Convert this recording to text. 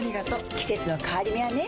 季節の変わり目はねうん。